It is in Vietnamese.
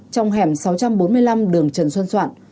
trong hẻm sáu trăm bốn mươi năm đường trần xuân soạn